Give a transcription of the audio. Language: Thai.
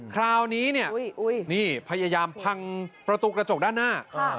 คราวนี้เนี่ยนี่พยายามพังประตูกระจกด้านหน้า